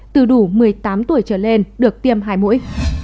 từ đủ một mươi tám tuổi trở lên được tiêm hai mũi